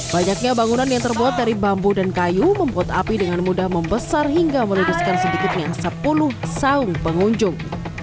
banyaknya bangunan yang terbuat dari bambu dan kayu membuat api dengan mudah membesar hingga menudiskan sedikitnya sepuluh saung pengunjung